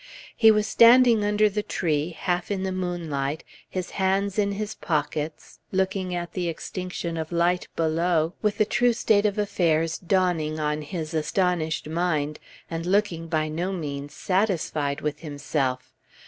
He was standing under the tree, half in the moonlight, his hands in his pockets, looking at the extinction of light below, with the true state of affairs dawning on his astonished mind, and looking by no means satisfied with himself!